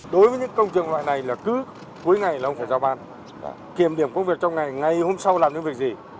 đối với những công trường loại này là cứ cuối ngày là ông phải giao ban kiểm điểm công việc trong ngày ngày hôm sau làm những việc gì